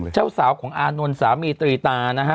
เจ้าสาวของอานนท์สามีตรีตานะฮะ